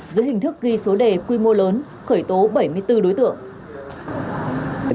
giữa hình thức ghi số đề quy mô lớn khởi tố bảy mươi bốn đối tượng